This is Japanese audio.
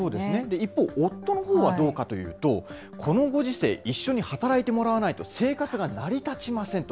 一方、夫のほうはどうかというと、このご時世、一緒に働いてもらわないと、生活が成り立ちませんと。